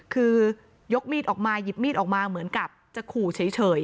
คือยกมีดออกมาหยิบมีดออกมาเหมือนกับจะขู่เฉย